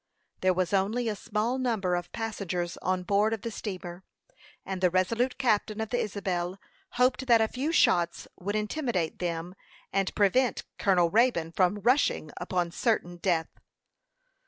There was only a small number of passengers on board of the steamer, and the resolute captain of the Isabel hoped that a few shots would intimidate them, and prevent Colonel Raybone from rushing upon certain death.